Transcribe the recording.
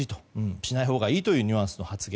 しないほうがいいというニュアンスの発言。